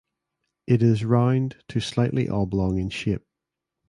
It is round to slightly oblong in shape.